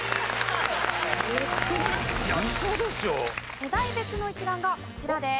世代別の一覧がこちらです。